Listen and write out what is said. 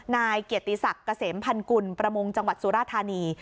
นายเกียรติศักดิ์เกษมพันกุลประมงจังหวัดสุราธานี